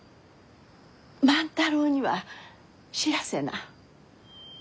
万太郎には知らせな。